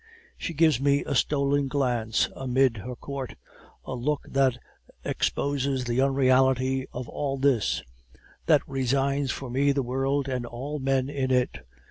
"She gives me a stolen glance, amid her court, a look that exposes the unreality of all this; that resigns for me the world and all men in it!